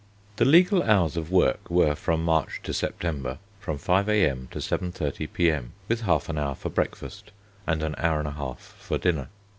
The legal hours of work were, from March to September, from 5 a.m. to 7.30 p.m., with half an hour for breakfast, and an hour and a half for dinner.